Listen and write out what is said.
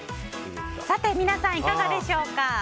さて皆さん、いかがでしょうか。